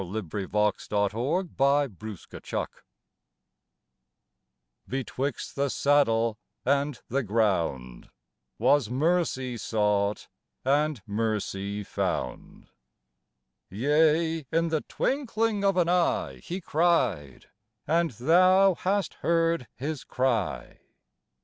THE GREAT MERCY 51 THE GREAT MERCY Betwixt the saddle and the ground Was mercy sought and mercy found. Yea, in the twinkling of an eye, He cried ; and Thou hast heard his cry.